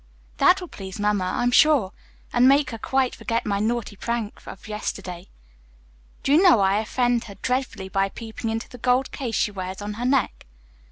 "That will please Mamma, I'm sure, and make her quite forget my naughty prank of yesterday. Do you know I offended her dreadfully by peeping into the gold case she wears on her neck?